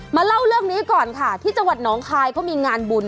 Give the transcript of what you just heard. เล่าเรื่องนี้ก่อนค่ะที่จังหวัดน้องคายเขามีงานบุญ